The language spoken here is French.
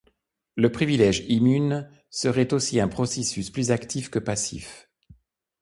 Le privilège immun serait ainsi un processus plus actif que passif.